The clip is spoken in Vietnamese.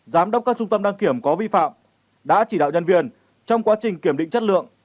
giám đốc các trung tâm đăng kiểm có vi phạm đã chỉ đạo nhân viên trong quá trình kiểm định chất lượng